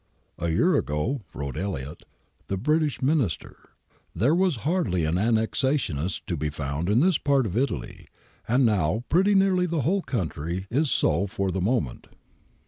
'A year ago,' wrote Elliot, the British Minister, 'there was hardly an annexationist to be found in this part of Italy, and now pretty nearly the whole country is so for the moment.'